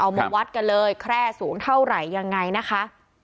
มาวัดกันเลยแคร่สูงเท่าไหร่ยังไงนะคะ